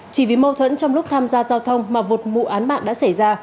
chỉ vì mâu thuẫn trong lúc tham gia giao thông mà vụt mụ án mạng đã xảy ra